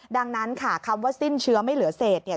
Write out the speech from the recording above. ดังนั้นค่ะคำว่าสิ้นเชื้อไม่เหลือเศษเนี่ย